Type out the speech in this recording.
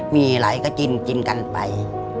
มีอะไรก็จริงจริงกันไป